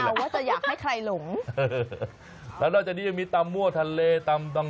เลือกเอาว่าจะให้อยากให้ใครหลง